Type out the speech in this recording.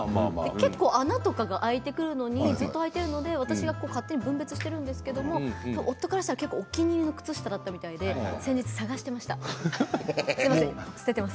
結構、穴とか開いてくるのにずっとはいているので私が勝手に分別しているんですけれども夫からしたら、お気に入りの靴下だったみたいで先日、さがしていました。